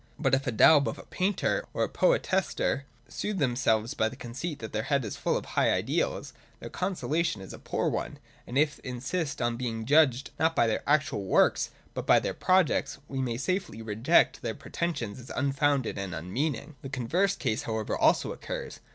But if a daub of a painter, or a poetaster, soothe themselves by the conceit that their head is full of high ideals, their consolation is a poor one ; and if they insist on being judged not by their actual works but b}' their projects, we may safely reject their pretensions as unfounded and unmeaning. The converse case however also occurs.